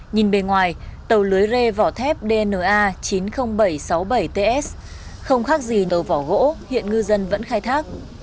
nhìn bề ngoài tàu lưới rê vỏ thép dna chín mươi nghìn bảy trăm sáu mươi bảy ts không khác gì tàu vỏ gỗ hiện ngư dân vẫn khai thác